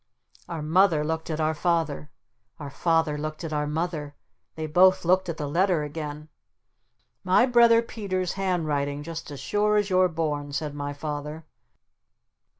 Our Mother looked at our Father. Our Father looked at our Mother. They both looked at the letter again. "My brother Peter's handwriting just as sure as you're born!" said my Father.